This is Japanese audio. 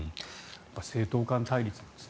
政党間対立ですね。